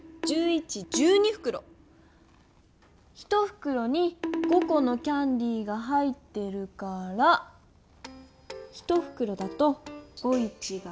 １ふくろに５コのキャンディーが入ってるから１ふくろだと５×１が５。